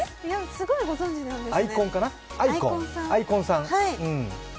すごい、よくご存じなんですね！